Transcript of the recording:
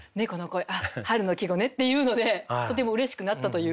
春の季語ねっていうのでとてもうれしくなったという。